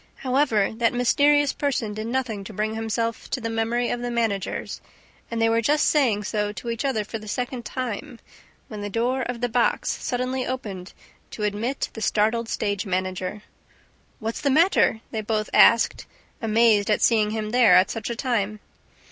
However, that mysterious person did nothing to bring himself to the memory of the managers; and they were just saying so to each other for the second time, when the door of the box suddenly opened to admit the startled stage manager. "What's the matter?" they both asked, amazed at seeing him there at such a time.